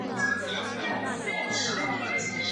本鱼体细长呈鳗形。